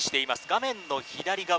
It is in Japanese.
画面の左側